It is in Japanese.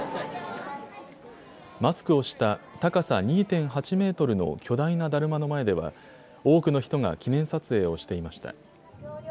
マスクをした高さ２．８メートルの巨大なだるまの前では多くの人が記念撮影をしていました。